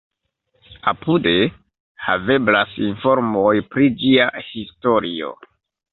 Apude haveblas informoj pri ĝia historio.